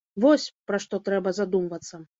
Вось, пра што трэба задумвацца.